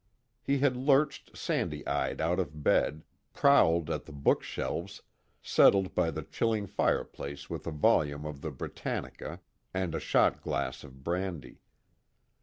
He had lurched sandy eyed out of bed, prowled at the bookshelves, settled by the chilling fireplace with a volume of the Britannica and a shot glass of brandy.